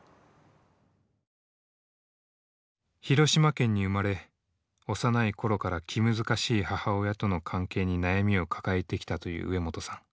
広島県に生まれ幼い頃から気難しい母親との関係に悩みを抱えてきたという植本さん。